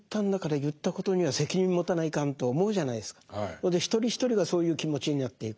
それで一人一人がそういう気持ちになっていく。